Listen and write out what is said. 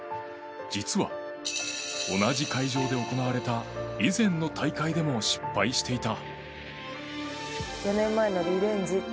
実は、同じ会場で行われた以前の大会でも失敗していた。